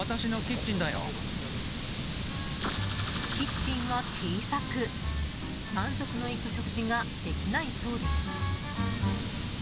キッチンは小さく満足のいく食事ができないそうです。